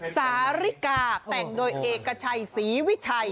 สาริกาแต่งโดยเอกชัยศรีวิชัย